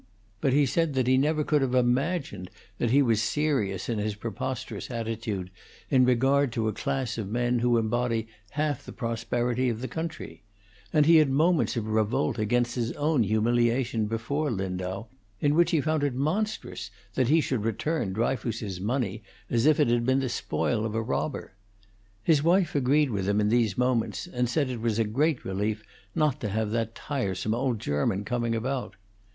But he said that he never could have imagined that he was serious in his preposterous attitude in regard to a class of men who embody half the prosperity of the country; and he had moments of revolt against his own humiliation before Lindau, in which he found it monstrous that he should return Dryfoos's money as if it had been the spoil of a robber. His wife agreed with him in these moments, and said it was a great relief not to have that tiresome old German coming about.